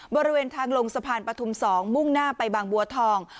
บริเวณทางลงสะพานปฐุม๒มุ่งหน้าไปบางบัวทอง